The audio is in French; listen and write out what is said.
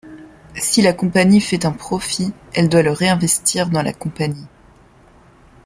Si la compagnie fait un profit, elle doit le réinvestir dans la compagnie.